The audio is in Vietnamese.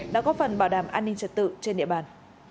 đã có phần bảo đảm an ninh trật tự trên địa bàn